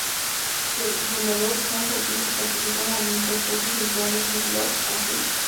Su fundador, Chan Ho-tin, participó en el movimiento Occupy Central with Love and Peace.